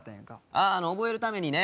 ああ覚えるためにね。